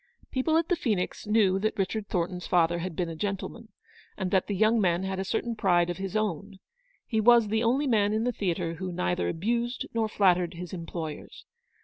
People at the Phoenix knew that Richard Thornton's father had been a gentleman, and that the young man had a certain pride of his own. He was the only man in the theatre who neither abused nor flattered his employers.